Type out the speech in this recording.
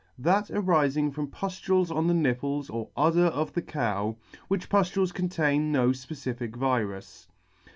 That arifing from puftules on the nipples or udder of the cow ; which puftules contain no fpecific virus.